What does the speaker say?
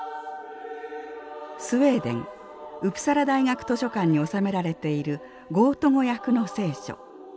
スウェーデンウプサラ大学図書館に収められているゴート語訳の聖書。